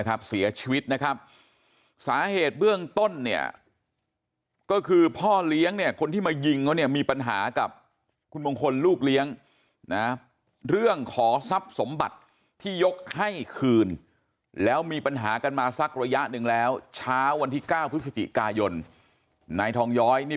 อันดับสุดท้ายก็คืออันดับสุดท้ายก็คืออันดับสุดท้ายก็คืออันดับสุดท้ายก็คืออันดับสุดท้ายก็คืออันดับสุดท้ายก็คืออันดับสุดท้ายก็คืออันดับสุดท้ายก็คืออันดับสุดท้ายก็คืออันดับสุดท้ายก็คืออันดับสุดท้ายก็คืออันดับสุดท้ายก็คืออันดั